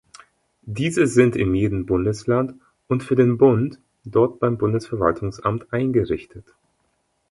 Diese sind in jedem Bundesland und für den Bund (dort beim Bundesverwaltungsamt) eingerichtet.